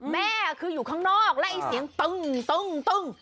แม่คืออยู่ข้างนอกแล้วไอ้เสียงตึ้ง